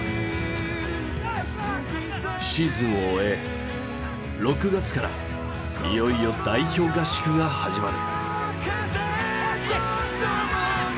シーズンを終え６月からいよいよ代表合宿が始まる。